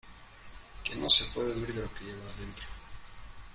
que no se puede huir de lo que llevas dentro...